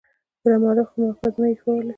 کله مؤلف خپل مأخذ نه يي ښولى.